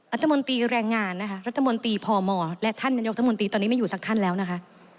รัฐมนตรีแรงงานนะคะรัฐมนตรีพมและท่านนายกรัฐมนตรีตอนนี้ไม่อยู่สักท่านแล้วนะคะ